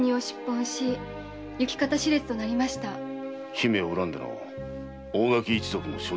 姫を恨んでの大垣一族の所業の数々。